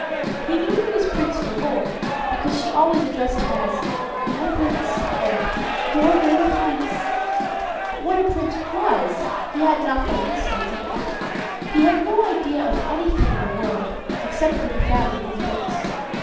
He knew he was Prince Dolor, because she always addressed him as "My Prince" and "Your Royal Highness," but what a prince was he had not the least idea. He had no idea of anything in the world, except what he found in his books.